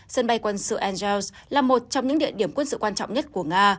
sân bay quân sự angeles là một trong những địa điểm quân sự quan trọng nhất của nga